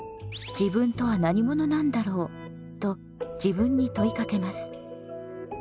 「自分とは何者なんだろう？」と自分に問いかけます。